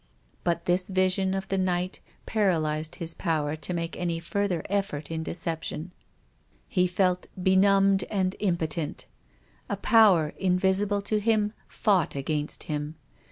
But this vision of the night paralysed his power to make any further effort in deception. He felt be numbed and impotent. A Power invisible to him fought against him.